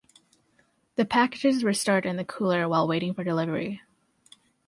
The packages were stored in the cooler while waiting for delivery.